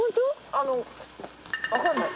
あのわかんない。